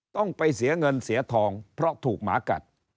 ต้องไปเสียเงินเสียทองเพราะถูกหมากัด